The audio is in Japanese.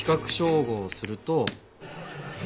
「すみません。